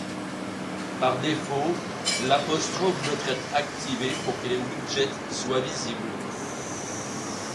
Par défaut, le ' doit être activé pour que les widgets soient visibles.